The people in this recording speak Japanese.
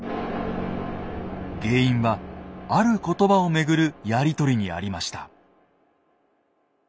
原因はある言葉をめぐるやり取りにありました。